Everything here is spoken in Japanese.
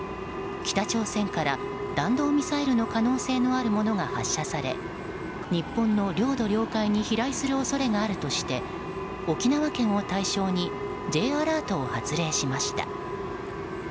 北朝鮮から、弾道ミサイルの可能性のあるものが発射され日本の領土・領海に飛来する恐れがあるとして沖縄県を対象にＪアラートを発令しました。